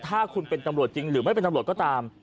ถ้าคุณเป็นตำรวจจริงหรือไม่เป็นตำรวจก็ตาม